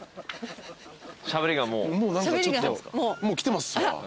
もうきてますわ。